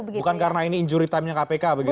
bukan karena ini injury time nya kpk begitu